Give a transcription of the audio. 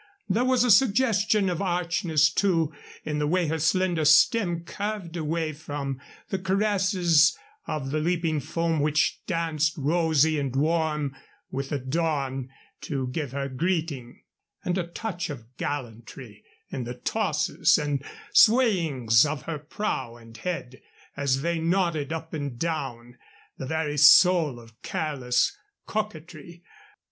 There was a suggestion of archness, too, in the way her slender stem curved away from the caresses of the leaping foam which danced rosy and warm with the dawn to give her greeting, and a touch of gallantry in the tosses and swayings of her prow and head as they nodded up and down, the very soul of careless coquetry.